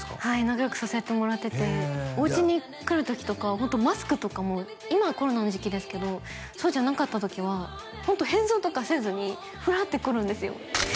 はい仲よくさせてもらってておうちに来る時とかホントマスクとかも今はコロナの時期ですけどそうじゃなかった時はホント変装とかせずにフラって来るんですよ